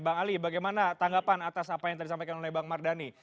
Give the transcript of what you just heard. bang ali bagaimana tanggapan atas apa yang tadi disampaikan oleh bang mardhani